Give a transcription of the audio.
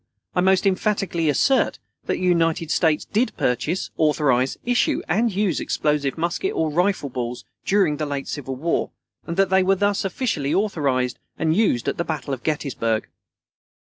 I most emphatically assert that the United States did purchase, authorize, issue and use explosive musket or rifle balls during the late civil war, and that they were thus officially authorized and used at the battle of Gettysburg.